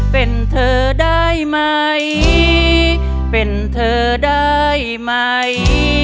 เป็นเธอได้ไหมเป็นเธอได้ไหม